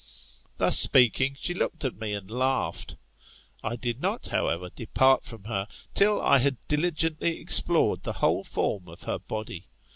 Thus speaking, she looked at me and laughed. I did not, however, depart from her, till I had diligently explored the whole form of her body.